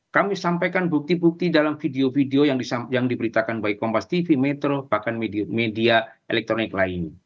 kami sampaikan bukti bukti dalam video video yang diberitakan baik kompas tv metro bahkan media elektronik lainnya